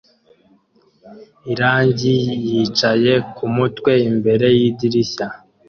Irangi yicaye kumutwe imbere yidirishya